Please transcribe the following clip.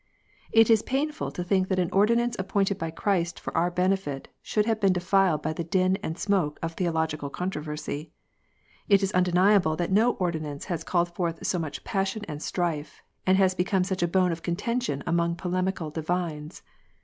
It is painful to think that an ordinance appointed by Christ for our benefit should have been denied by the din and smoke of theological controversy. It is undeniable that no ordinance has called forth so much passion and strife, and has become such a bone of contention among polemical divines.